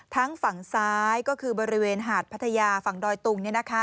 ทั้งฝั่งซ้ายก็คือบริเวณหาดพัทยาฝั่งดอยตุง